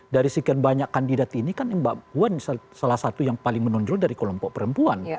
dari sekian banyak kandidat ini kan mbak puan salah satu yang paling menonjol dari kelompok perempuan